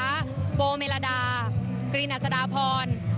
ภาพที่คุณผู้ชมเห็นอยู่นี้นะคะบรรยากาศหน้าเวทีตอนนี้เริ่มมีผู้แทนจำหน่ายไปจองพื้นที่